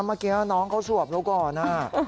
เมื่อกี้น้องเขาสวบเราก่อน